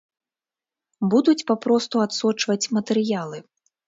Будуць папросту адсочваць матэрыялы.